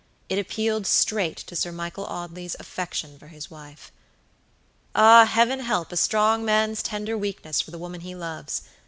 It appealed straight to Sir Michael Audley's affection for his wife. Ah, Heaven help a strong man's tender weakness for the woman he loves!